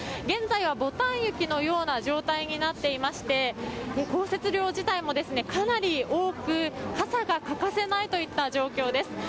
現在は牡丹雪のような状態になっていまして降雪量自体もかなり多く傘が欠かせないといった状況です。